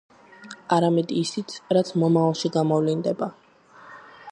არამედ ისიც, რაც მომავალში გამოვლინდება...